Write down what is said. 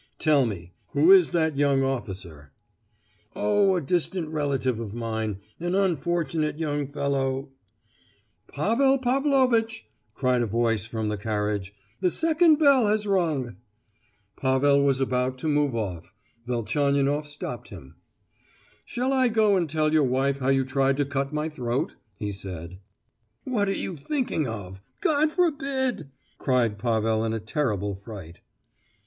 Tell me, who is that young officer?" "Oh, a distant relative of mine—an unfortunate young fellow——" "Pavel Pavlovitch!" cried a voice from the carriage, "the second bell has rung!" Pavel was about to move off—Velchaninoff stopped him. "Shall I go and tell your wife how you tried to cut my throat?" he said. "What are you thinking of—God forbid!" cried Pavel, in a terrible fright.